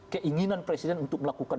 keinginan presiden untuk melakukan